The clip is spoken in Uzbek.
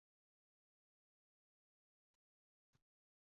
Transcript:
Shunda savol paydo bo‘ladi: